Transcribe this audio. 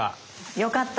よかった。